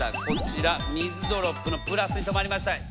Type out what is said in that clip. こちら水ドロップのプラスに止まりました。